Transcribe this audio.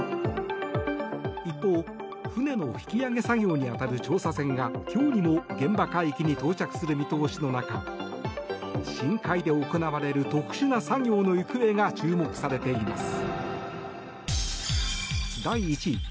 一方、船の引き揚げ作業に当たる調査船が今日にも現場海域に到着する見通しの中深海で行われる特殊な作業の行方が注目されています。